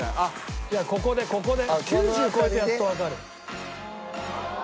ここでここで９０超えてやっとわかる。